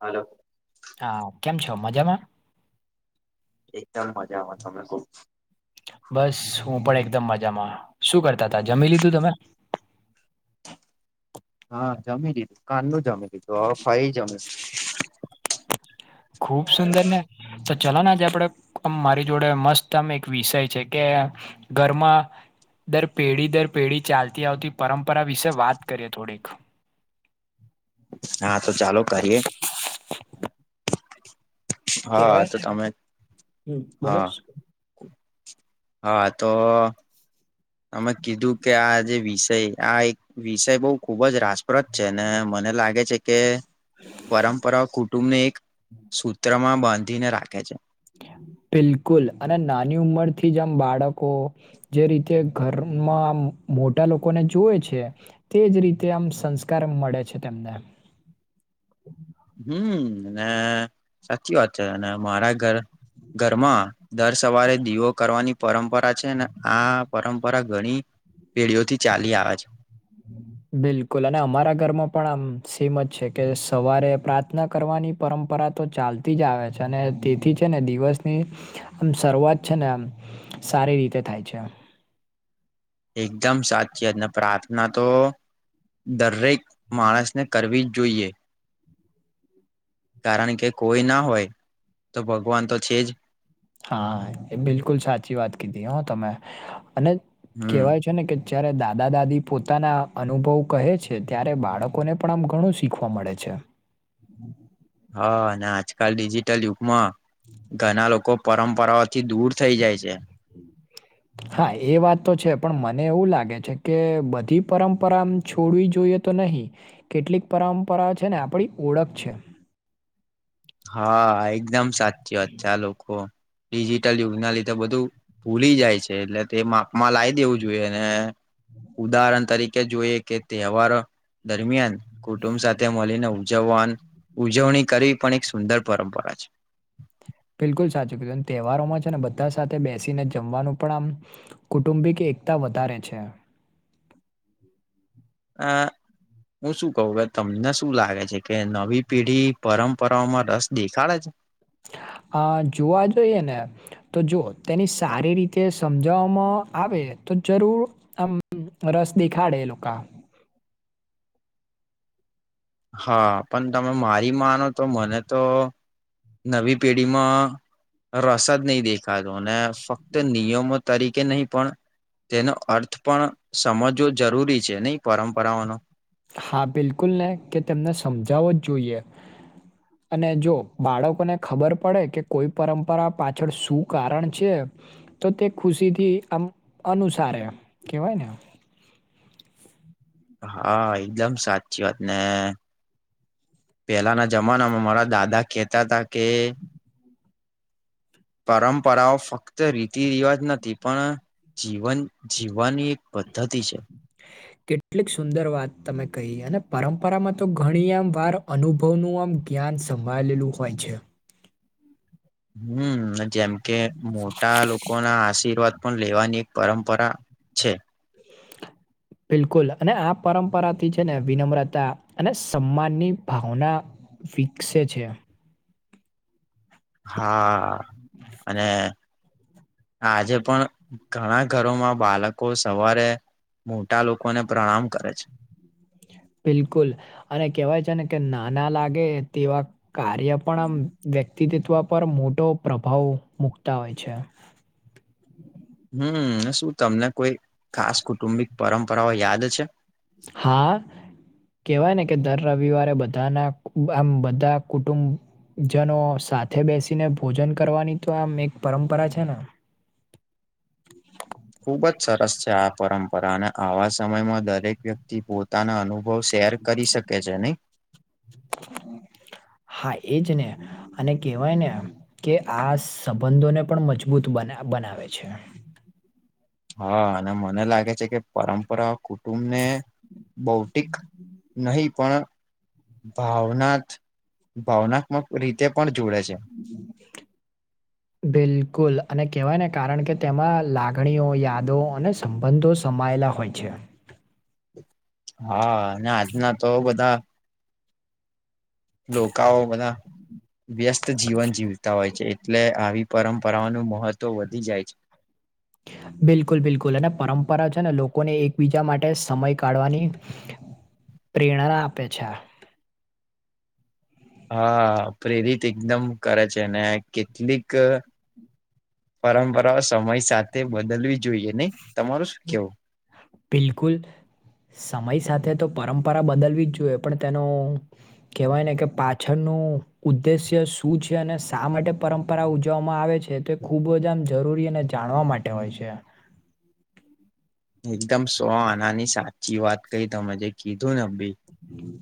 Hello હા, કેમ છો મજામાં? એકદમ મજામાં તમે ખુબ બસ હું પણ એકદમ મજામાં શું કરતા તા જમી લીધું તમે હા, જમી દીધું કાર નુ જમી લીધું હવે ફઈ જમીશ ખૂબ સુંદર ને તો ચલો ને આજે આપડે અમ મારી જોડે મસ્ત આમ એક વિષય છે કે ઘરમાં દર પેઢી દર પેઢી ચાલતી આવતી પરંપરા વિશે વાત કરીએ થોડીક [inaudible] હા, તો ચાલો કરીએ હા, કેવાય તો ને તમે હમ બોલો હા હા, તો અમે કીધું કે આ જે વિષય આ એક વિષય બઉ ખુબ જ રાસ પ્રદ છે ને મને લાગે છે કે પરંપરાઓ કુટુંબને એક સૂત્ર માં બાંધીને રાખે છે. બિલકુલ અને નાની ઉંમરથી જેમ બાળકો જે રીતે ઘરમાં મોટા લોકોને જોએ છે, તેજ રીતે આમ સંસ્કાર મળે છે, તેમને હમ્મ ને સાચી વાત છે, અને મારા ઘર ઘરમાં દર સવારે દીવો કરવાની પરંપરા છે ને, આ પરંપરા ઘણી પેઢીઓ થી ચાલી આવે છે બિલકુલ અને અમારા ઘરમાં પણ આમ સેમ જ છે કે સવારે પ્રાત પ્રાર્થના કરવાની પરંપરા તો ચાલતી જ આવે છે, અને તેથી છે ને દિવસની આમ શરૂઆત છે ને આમ સારી રીતે થાય છે. એકદમ સાચી જ ને પ્રાર્થના તો દરેક માણસને કરવી જ જોઈએ કારણ કે કોઈ ના હોય તો ભગવાન તો છે જ. હા એ બિલકુલ સાચી વાત કીધી હો તમે અને હમ કેહેવાય છે ને કે જ્યારે દાદા દાદી પોતાના અનુભવ કહે છે, ત્યારે બાળકોને પણ આમ ઘણું શીખવા મળે છે. હા અને આજકાલ ડિજિટલ યુગમાં ઘણા લોકો. પરંપરાઓથી દૂર થઈ જાય છે. હા એ વાત તો છે પણ મને એવું લાગે છે કે બધી પરંપરા છોડવી જોઈએ. તો નહી કેટલીક પરંપરા છે ને આપડી ઓળખ છે. હા એકદમ સાચી વાત છે આ લોકો. ડિજિટલ યુગના લીધે બધું ભૂલી જાય છે એટલે તે માપ માં લાવી દેવું જોઈએ ને. ઉદાહરણ તરીકે જોઈએ કે તહેવારો દરમિયાન કુટુંબ સાથે મળીને ઉજવવા ઉજવણી કરવી પણ એક સુંદર પરંપરા છે. બિલકુલ સાચું કીધું તહેવારોમાં છે ને બધા સાથે બેસીને જમવાનું પણ આમ કુટુંબિક એકતા વધારે છે. [inaudible] હું શું કું કે તમને શું લાગે છે કે નવી પેઢી પરંપરાઓમાં રસ દેખાડે છે? હ જોવા જોઈએ ને તો જો તેની સારી રીતે સમજવામાં આવે તો જરૂર આમ રસ દેખાડે એ લોકો. હા પણ તમે મારી માનો તો મને તો નવી પેઢીમાં રસાદ નહીં દેખાતો અને ફક્ત નિયમો તરીકે નહી પણ તેનો અર્થ પણ સમજવો જરૂરી છે નહી પરંપરાઓનો. હા બિલકુલને કે તેમને સમજાવો જ જોઈએ. અને જો બાળકોને ખબર પડે કે કોઈ પરંપરા પાછળ શું કારણ છે. તો તે ખુશી થી આમ અનુસારે કેહેવાય ને. હા એકદમ સાચી વાત ને પેલાના જમાનામાં મારા દાદા કેહેતા હતા કે પરંપરાઓ ફક્ત રીતિ રિવાજ નથી પણ જીવન જીવવાની એક પદ્ધતિ છે. [inaudible] કેટલીક સુંદર વાત તમે કહી અને પરંપરામાં તો ઘણી આમ વાર અનુભવનું આમ જ્ઞાન સંભાળેલું હોય છે. હમ જેમ કે મોટા લોકો ના આશીર્વાદ પણ લેવાની એક પરંપરા છે. [inaudible] બિલકુલ અને આ પરંપરાથી છે ને વિનમ્રતા અને સન્માનની ભાવના વિક્સે છે. હા અને આજે પણ ઘણા ઘરોમાં બાળકો સવારે મોટા લોકોને પ્રણામ કરે છે. બિલકુલ અને કેહેવાય છે ને કે નાના લાગે તેવા કાર્ય પણ આમ વ્યક્તિતવ પર મોટો પ્રભાવ મુકતા હોય છે. હમ શું તમને કોઈ ખાસ કુટુંબિક પરંપરાઓ યાદ છે. હા. કહેવાય ને કે દર રવિવારે બધાના આમ બધા કુટુંબ જનો સાથે બેસીને ભોજન કરવાની તો આમ એક પરંપરા છે ને. ખુબ જ સરસ છે આ પરંપરા અને આવા સમયમાં દરેક વ્યક્તિ પોતાના અનુભવ શેર કરી શકે છે નહી. હા એજ ને. અને કેહેવાય ને કે આ સંબંધોને પણ મજબૂત બનાવે છે. હા અને મને લાગે છે કે પરંપરા તુમને બૌટિક નહીં પણ ભાવનાત્ ભાવનાત્મક રીતે પણ જોડે છે. [inaudible] બિલકુલ અને કેહવાયને કારણ કે તેમાં લાગણીઓ યાદો અને સંબંધો સમાયેલા હોય છે. હા અને આજના તો બધા લોકાઓ બધા વ્યસ્ત જીવન જીવતા હોય છે એટલે આવી પરંપરાઓનું મહત્વ વધી જાય છે. બિલકુલ બિલકુલ અને પરંપરા છે ને લોકોને એકબીજા માટે સમય કાઢવાની પ્રેરણા આપે છે. હા પ્રેરિત એકદમ કરે છે, ને કેટલીક પરંપરાઓ સમય સાથે બદલવી જોઈએ નહીં? તમારું શું કેવું? બિલકુલ. સમય સાથે તો પરંપરા બદલવી જ જોઈએ, પણ તેનો કહેવાય ને કે પાછળનું ઉદ્દેશ્ય શું છે? અને શા માટે પરંપરા ઉજવવામાં આવે છે? તે ખૂબ જ આમ જરૂરી અને જાણવા માટે હોય છે. એકદમ સો આનાની સાચી વાત કહી, તમે જે કીધું ને અભી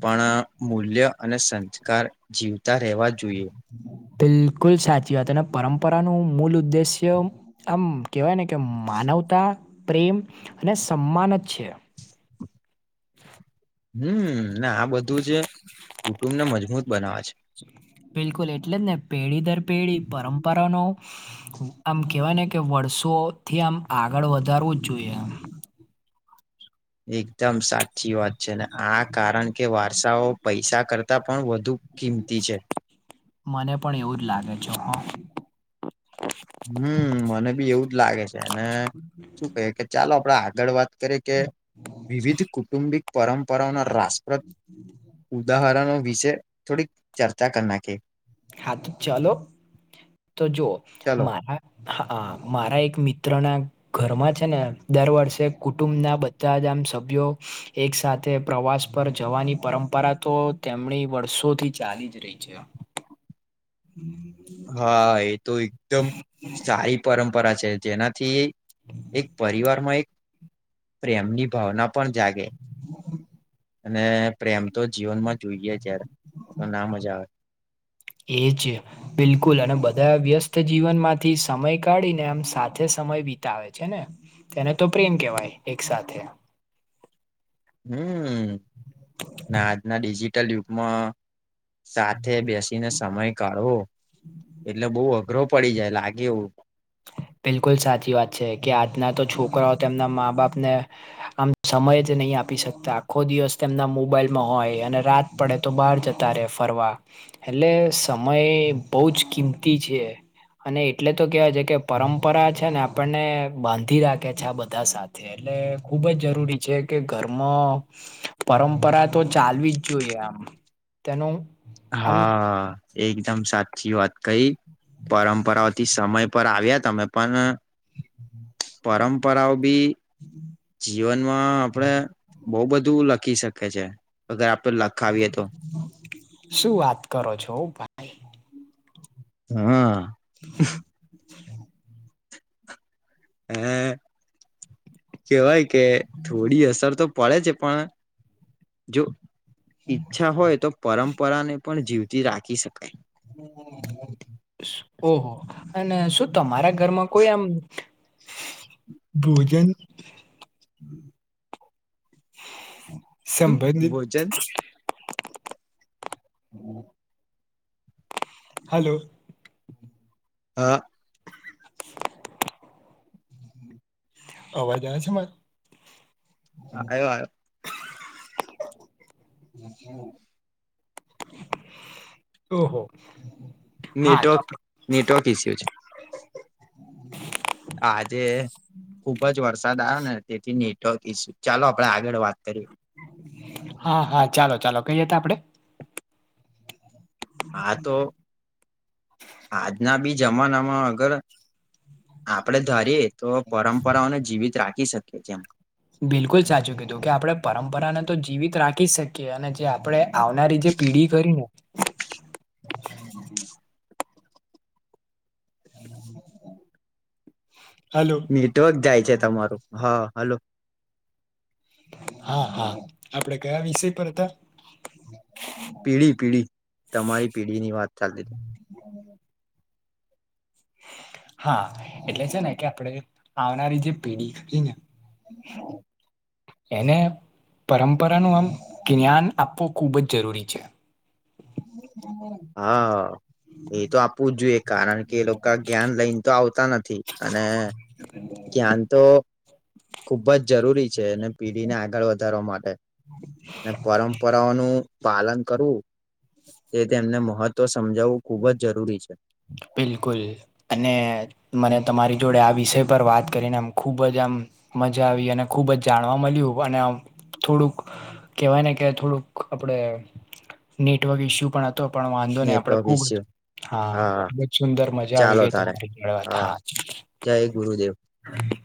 પણ મૂલ્ય અને સંસ્કાર જીવતા રહેવા જોઈએ. બિલકુલ સાચી વાત. અને પરંપરાનું મૂલ ઉદ્દેશ્ય આમ કહેવાય ને કે માનવતા, પ્રેમ, અને સમ્માન જ છે. હમ્મ. ને આ બધું જે કુટુંબને મજબૂત બનાવે છે. બિલકુલ એટલે જ ને. પેઢી દર પેઢી પરંપરાનો આમ કેવાય ને કે વર્ષોથી આમ આગળ વધારવું જ જોઈએ એમ. એકદમ સાચી વાત છે. ને આ કારણ કે વારસાઓ પૈસા કરતા પણ વધુ કિંમતી છે. મને પણ એવું જ લાગે છે હો! હમ્મ મને બી એવું જ લાગે છે. અને શું કેય કે ચાલો આપડે આગળ વાત તરીકે વિવિધ કુંટુંબિક પરંપરાના રાસપ્રદ ઉદાહરણો વિશે થોડીક ચર્ચા કર નાખે. હા તો ચાલો! તો જોવો ચલો મારા હા, હા મારા એક મિત્રના ઘરમાં છેને દર વર્ષે કુટુંબના બધા જ આમ સભ્યો એક સાથે પ્રવાસ પર જવાની પરંપરા તો તેમની વર્ષોથી ચાલી જ રહી છે એમ. હમ્મ. હા એ તો એકદમ સારી પરંપરા છે. જેનાથી એક પરિવારમાં એક પ્રેમની ભાવના પણ જાગે. [inaudible] અને પ્રેમ તો જીવનમાં જોઈએ જ યાર. તો ના મજા આવે. એ જ. બિલકુલ અને બધા વ્યસ્ત જીવનમાંથી સમય કાઢીને આમ સાથે સમય વિતાવે છેને. તેને તો પ્રેમ કહેવાય એક સાથે. હમ્મ. ને આજના ડિજિટલ યુગમાં સાથે બેસીને સમય કાઢવો એટલે બહુ અઘરો પડી જાય, લાગે એવું. બિલકુલ સાચી વાત છે કે આજના તો છોકરાઓ તેમના મા બાપને આમ સમય જ નહી આપી શકતા, આખો દિવસ તેમના મોબાઈલમાં હોય, અને રાત પડે તો બહાર જતા રે ફરવા. એટલે સમય બહુ જ કિંમતી છે, અને એટલે તો કેવાય છે કે પરંપરા છે ને આપણને બાંધી રાખે છે આ બધા સાથે. એટલે ખુબ જ જરૂરી છે કે ઘરમાં પરંપરા તો ચાલવી જ જોઈએ આમ. તેનું આમ હા, એકદમ સાચી વાત કહી. પરંપરાઓથી સમય પર આવ્યા તમે પણ, પરંપરાઓ બી [inaudible] જીવનમાં આપડે બહુ બધું લખી શકે છે. અગર આપણે લખ શું વાત કરો છો? [unintelligible] હા. [inaudible] હ કેવાય કે થોડી અસર તો પડે છે પણ જો ઈચ્છા હોય તો પરંપરા ને પણ જીવતી રાખી શકાય હ ઓહો અને શું તમારા ઘરમાં કોઈ આમ ભોજન શું સંભર ભોજન હાલો હા. અવાજ આવે છે મારે આયો આયો ઓહો હા તો નેટવર્ક આપણે- નેટવર્ક ઇસ્યુ છે આજે ખુબ જ વરસાદ આવ્યો ને તેથી નેટ ઈશ ચાલો આપડે આગળ વાત કરીએ હા હા ચાલો ચાલો કઈ હતા આપડે હા તો આજના બી જમાના માં અગર આપડે ધારીએ તો પરંપરાઓને જીવિત રાખી શકીએ જેમ બિલકુલ સાચું કીધું કે આપડણે પરંપરાને તો જીવિત રાખી શકીએ અને જે આપણે આવનારી જે પીઢી કરી ને હલો નેટવર્ક જાય છે તમારું હા હલો હા હા આપડે કયા વિષય પર હતા પીળી પીળી તમારી પીઢી ની વાત ચાલતી [inaudible] હા એટલે છે ને કે આપણે આવનારી જે પેઢી કરી ને એને પરંપરાનું આમ જ્ઞાન આપવું ખૂબ જ જરૂરી છે હ હ હા હ એ તો આપવું જ જોઈએ કારણ કે એ લોકો જ્ઞાન લઈને તો આવતા નથી અને જ્ઞન તો ખુબ જ જરૂરી છે એને પીઢી ને આગળ વધારવા માટે પરંપરાઓનું પાલન કરવું તે તેમને મહત્વ તો સમજાવવું ખુબ જ જરૂરી છે બિલકુલ અને મને તમારી જોડે આ વિષય પર વાત કરીને આમ ખૂબ જ આનંદ મજા આવી અને ખૂબ જ જાણવા મળ્યું અને આ થોડુંક કેવાય ને કે થોડુંક આપણે નેટવર્ક ઈસ્યુ પણ હતો પણ વાંધો નહી આપડે નેટવર્ક ખુબ વિશે હા ખુબ જ સુંદર મજા આવી ચાલો ગઈ તારે તમારી જોડ વાત હા જય ગુરુદેવ હા